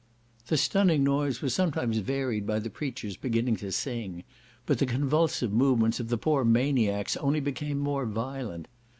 The stunning noise was sometimes varied by the preachers beginning to sing; but the convulsive movements of the poor maniacs only became more violent.